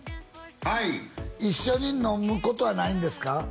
はい一緒に飲むことはないんですか？